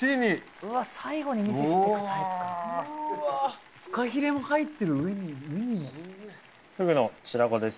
うわ最後に見せていくタイプかフカヒレも入ってる上にウニもフグの白子です